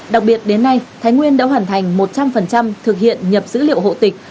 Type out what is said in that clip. đặc biệt đến nay thái nguyên đã hoàn thành một trăm linh thực hiện nhập dữ liệu hộ tịch